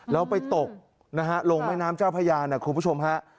แล้วไปตกนะฮะลงแม่น้ำเจ้าพญานะคุณผู้ชมฮะ